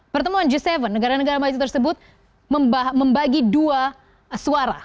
pertemuan g tujuh negara negara maju tersebut membagi dua suara